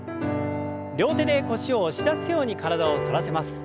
両手で腰を押し出すように体を反らせます。